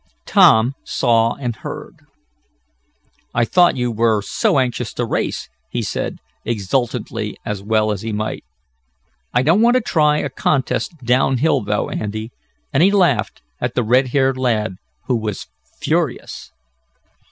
Tom saw and heard. "I thought you were so anxious to race," he said, exultantly, as well he might. "I don't want to try a contest down hill, though, Andy," and he laughed at the red haired lad, who was furious.